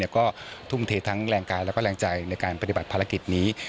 ก็ทุ่มเททั้งแรงกายและแรงใจในการปฏิบัติภารกิจนี้